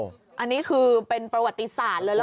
อันนี้คือเป็นประวัติศาสตร์เลย